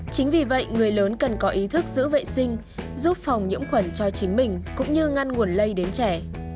chính vì vậy người lớn cần có ý thức giữ vệ sinh giúp phòng nhiễm khuẩn cho chính mình cũng như ngăn nguồn lây đến trẻ